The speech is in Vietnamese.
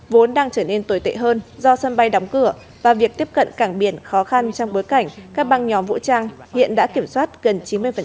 vốn đang trở nên tồi tệ hơn do sân bay đóng cửa và việc tiếp cận cảng biển khó khăn trong bối cảnh các băng nhóm vũ trang hiện đã kiểm soát gần chín mươi